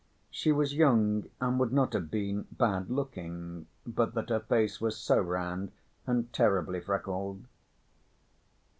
She was young and would not have been bad‐looking, but that her face was so round and terribly freckled.